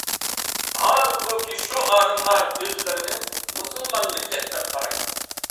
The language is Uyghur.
ھالبۇكى شۇ ئالىملار ئۆزلىرىنى مۇسۇلمان مىللەت دەپ قارايدۇ.